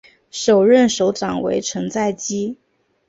首任首长为成在基。